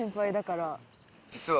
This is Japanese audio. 実は。